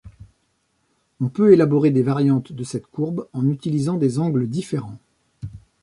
On peut élaborer des variantes de cette courbe en utilisant des angles différents.